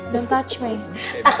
jangan tekan gue